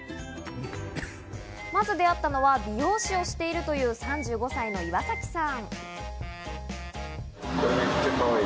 まず出会ったのは、美容師をしているという３５歳の岩崎さん。